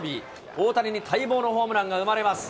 大谷に待望のホームランが生まれます。